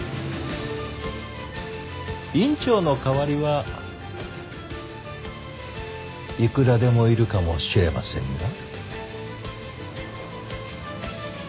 院長の代わりはいくらでもいるかもしれませんが。